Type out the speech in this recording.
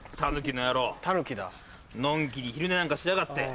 のんきに昼寝なんかしやがって。